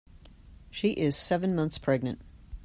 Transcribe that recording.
She is seven months pregnant.